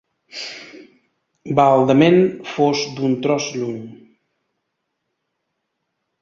...baldament fos d'un tros lluny.